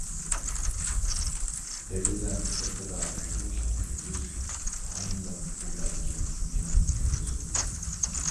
دېرىزەم سىرتىدا بۇلۇتلۇق كۈندۈز، تايىنلىق ئۇ بەلكىم مېنىڭ كۈندۈزۈم.